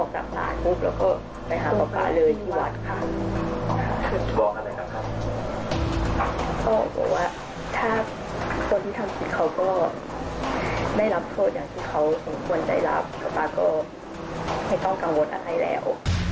เจาะประเด็นจากรายงานครับ